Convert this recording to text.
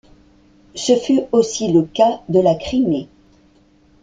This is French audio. Ce fut aussi le cas de la Crimée.